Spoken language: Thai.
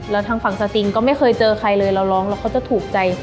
แล้วทางฝั่งซาซิงก็ไม่เคยเจอใครเลยเราร้องแล้วเขาจะถูกใจ